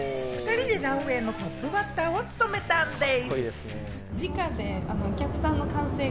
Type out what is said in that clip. ２人でランウェイのトップバッターを務めたんでぃす！